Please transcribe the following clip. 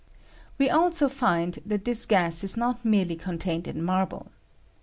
"We also find that this gas is not merely contained in marble.